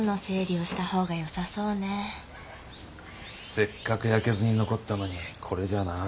せっかく焼けずに残ったのにこれじゃなあ。